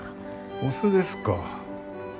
お酢ですか。